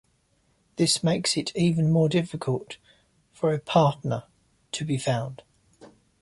This makes it even more difficult for a partner to be found.